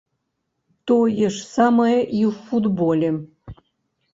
Тое ж самае і ў футболе.